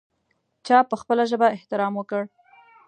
چا په خپله ژبه احترام وکړ.